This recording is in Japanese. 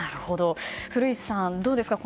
古市さん、どうですか